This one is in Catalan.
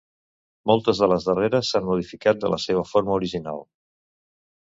Moltes de les darreres s'han modificat de la seva forma original.